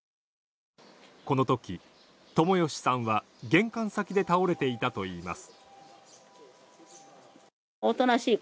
このとき、友義さんは玄関先で倒れていたといいます。